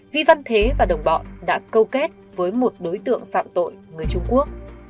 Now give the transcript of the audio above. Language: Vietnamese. vi văn thế và đồng bọn đã câu kết với một đối tượng phạm tội người trung quốc